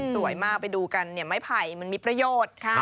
สวยมากไปดูกันเนี่ยไม้ไผ่มันมีประโยชน์